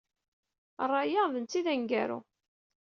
Ṛṛay-a d netta ay d aneggaru.